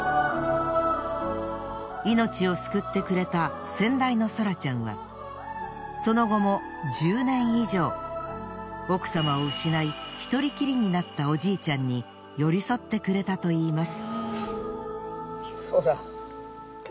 命を救ってくれた先代のソラちゃんはその後も１０年以上奥様を失い１人きりになったおじいちゃんに寄り添ってくれたといいます。